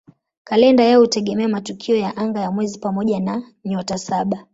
Kalenda yao hutegemea matukio ya anga ya mwezi pamoja na "Nyota Saba".